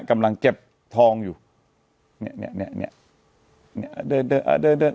กำลังเก็บทองอยู่เนี้ยเนี้ยเนี้ยเนี้ยเนี้ยเนี้ยเดินเดินอ่าเดินเดิน